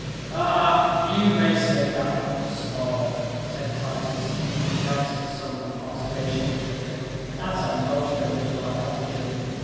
"Ah! you may say that, Dr. Small," said Titus, in answer to some observation of the vicar, "that's a most original apothegm.